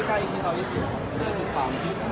๓คนดูแบบรุ่นครัม